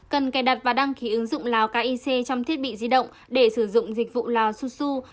cần cài đặt và đăng ký ứng dụng lào kic trong thiết bị di động để sử dụng dịch vụ lào xu xu